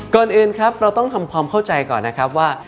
ก่อนอื่นครับเราต้องทำความเข้าใจก่อนนะครับว่า